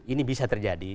ini bisa terjadi